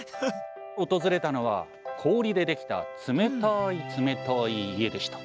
「訪れたのは氷でできた冷たい冷たい家でした。